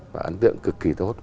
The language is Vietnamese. và ấn tượng cực kỳ tốt